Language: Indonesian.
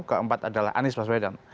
keempat adalah anies baswedan